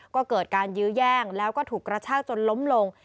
ก็เกิดการยื้อแย่งแล้วก็ถูกกระชากจนล้มลง